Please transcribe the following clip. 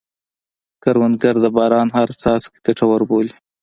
کروندګر د باران هره څاڅکه ګټوره بولي